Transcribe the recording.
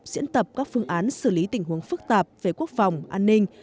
diễn tập các phương án xử lý tình huống phức tạp về quốc phòng an ninh